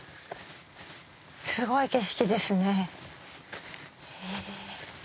すごい景色ですね。